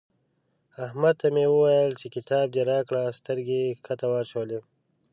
احمد ته مې وويل چې کتاب دې راکړه؛ سترګې يې کښته واچولې.